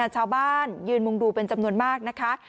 ชาวบ้านยืนมุงดูเป็นจำนวนมากนะคะ